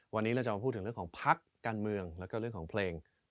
วันนี้เราจะมาพูดถึงเรื่องของ